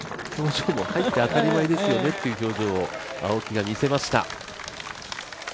入って当たり前ですよねという表情を青木が見せました。